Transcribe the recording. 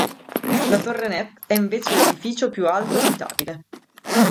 La Torre Net è invece l'edificio più alto abitabile.